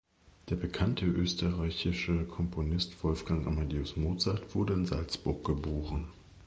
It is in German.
Der bekannte österreichische Komponist Wolfgang Amadeus Mozart wurde in Salzburg geboren.